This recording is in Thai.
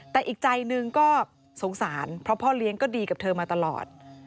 แต่อีกใจหนึ่งก็สงสารเพราะพ่อเลี้ยงก็ดีกับเธอมาตลอด